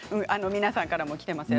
皆さんからもきています。